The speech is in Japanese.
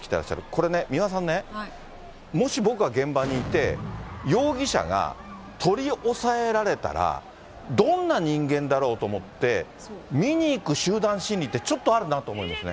これね、三輪さんね、もし、僕が現場にいて、容疑者が取り押さえられたら、どんな人間だろうと思って、見に行く集団心理ってちょっとあるなと思いますね。